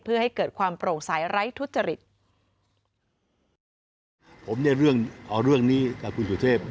เพื่อให้เกิดความปรงใสไร้ทุจริต